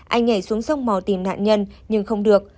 anh nhảy xuống sông mò tìm nạn nhân nhưng không được